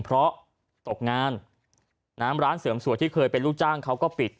เพราะตกงานน้ำร้านเสริมสวยที่เคยเป็นลูกจ้างเขาก็ปิด